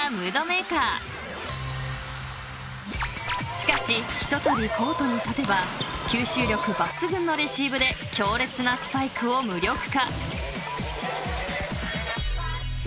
［しかしひとたびコートに立てば吸収力抜群のレシーブで強烈なスパイクを無力化］